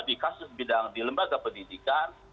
di kasus bidang di lembaga pendidikan